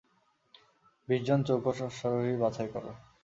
বিশজন চৌকস অশ্বারোহী বাছাই কর।